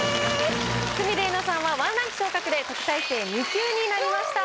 鷲見玲奈さんは１ランク昇格で特待生２級になりました。